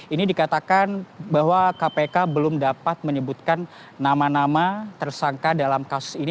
ini dikatakan bahwa kpk belum dapat menyebutkan nama nama tersangka dalam kasus ini